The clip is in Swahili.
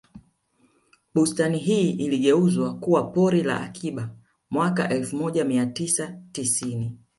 Bustani hii iligeuzwa kuwa pori la akiba mwaka elfu moja mia tisa tisini